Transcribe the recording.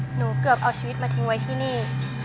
หนูเกือบเอาชีวิตมาทิ้งไว้ที่นี่